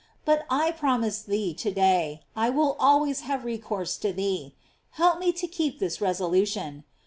But I promise thee to day, I will always have recourse to thee. Help me to keep this resolution.